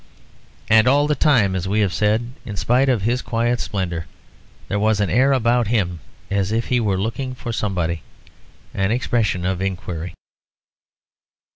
And all the time, as we have said, in spite of his quiet splendour, there was an air about him as if he were looking for somebody; an expression of inquiry.